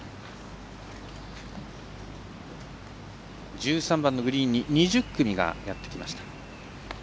１３番のグリーンに２０組がやってきました。